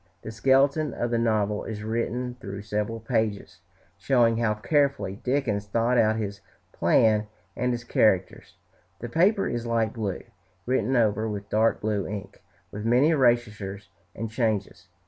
The skeleton of the novel is written through several pages, showing how carefully Dickens thought out his plan and his characters; the paper is light blue, written over with dark blue ink, with many erasures and changes.